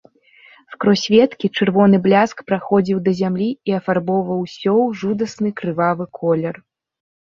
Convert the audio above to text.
Скрозь веткі чырвоны бляск праходзіў да зямлі і афарбоўваў усё ў жудасны крывавы колер.